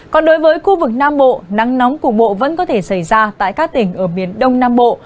còn đối với khu vực nam bộ nắng nóng cục bộ vẫn có thể xảy ra tại các tỉnh ở miền đông nam bộ